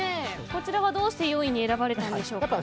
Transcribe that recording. こちらはどうして４位に選ばれたんでしょうか。